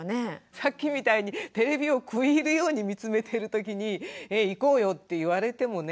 さっきみたいにテレビを食い入るように見つめているときに「行こうよ」って言われてもね。